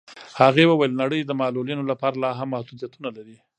هغې وویل نړۍ د معلولینو لپاره لاهم محدودیتونه لري.